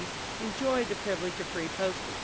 's enjoyed the privilege of free postage.